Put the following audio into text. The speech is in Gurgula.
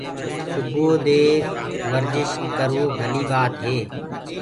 سبوودي ورجش ڪروو ڀلي ٻآتي